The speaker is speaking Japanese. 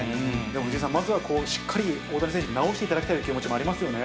藤井さん、まずはしっかり大谷選手、治していただきたいという気持ちもありますよね。